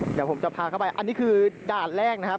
เดี๋ยวผมจะพาเข้าไปอันนี้คือด่านแรกนะครับ